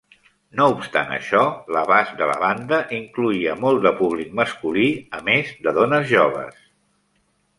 No obstant això, l'abast de la banda incloïa molt de públic masculí a més de dones joves.